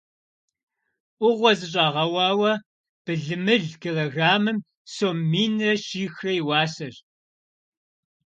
Ӏугъуэ зыщӏэгъэуауэ былымыл килограммым сом минрэ щихрэ и уасэщ.